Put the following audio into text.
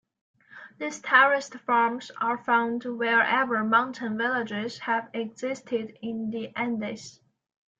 These terraced farms are found wherever mountain villages have existed in the Andes.